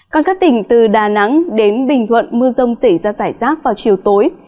còn các tỉnh từ đà nẵng đến bình thuận mưa rông xảy ra giải rác vào chiều tối